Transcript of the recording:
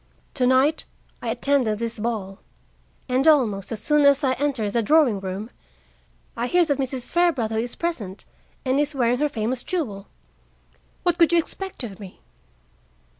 Tonight I attended this ball, and almost as soon as I enter the drawing room I hear that Mrs. Fairbrother is present and is wearing her famous jewel. What could you expect of me?